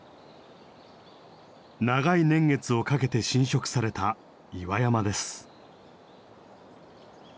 長い年月をかけて浸食された岩山です。